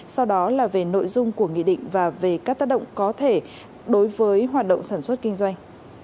sau đó là về nội dung của nghị định và về các tác động có thể đối với hoạt động sản xuất kinh doanh